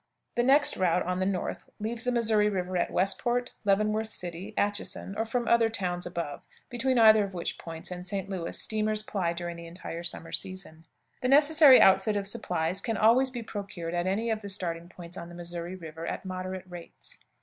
The next route on the north leaves the Missouri River at Westport, Leavenworth City, Atcheson, or from other towns above, between either of which points and St. Louis steamers ply during the entire summer season. The necessary outfit of supplies can always be procured at any of the starting points on the Missouri River at moderate rates.